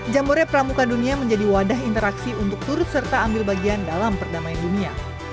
jambore pramuka dunia menjadi wadah interaksi untuk turut serta ambil bagian dalam perdamaian dunia